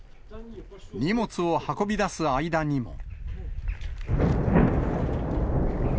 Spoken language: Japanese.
荷物を運び出す間にも。